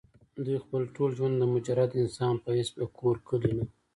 دوي خپل ټول ژوند د مجرد انسان پۀ حېث د کور کلي نه